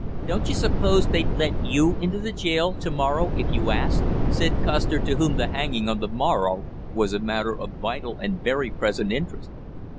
"Don't you suppose they'd let you into the jail yard to morrow if you asked?" said Custer, to whom the hanging on the morrow was a matter of vital and very present interest.